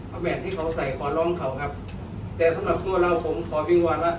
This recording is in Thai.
เอาแบบที่เขาใส่ขอร้องเขาครับแต่สำหรับตัวเราผมขอวิงวอนว่า